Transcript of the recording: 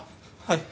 はい。